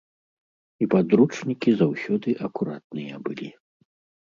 І падручнікі заўсёды акуратныя былі.